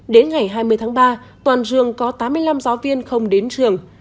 đến ngày hai mươi tháng ba toàn giường có tám mươi năm giáo viên không đến trường